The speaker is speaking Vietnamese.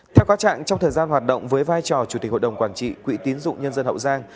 theo các trạng trong thời gian hoạt động với vai trò chủ tịch hội đồng quản trị quỹ tín dụng nhân dân hậu giang